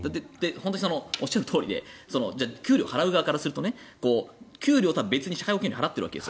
おっしゃるとおりで給料を払う側からすると給料とは別に社会保険料を払っている。